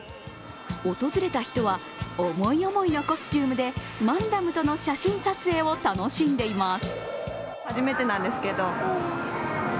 訪れた人は思い思いのコスチュームでマンダムとの写真撮影を楽しんでいます。